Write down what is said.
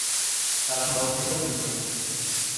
তার স্বভাব ছিল বিনয়ী।